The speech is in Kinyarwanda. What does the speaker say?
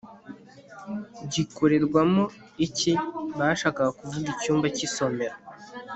gikorerwamo iki bashakaga kuvuga icyumba cy isomero